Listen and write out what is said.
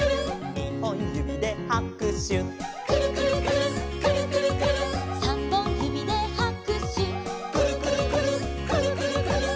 「にほんゆびではくしゅ」「くるくるくるっくるくるくるっ」「さんぼんゆびではくしゅ」「くるくるくるっくるくるくるっ」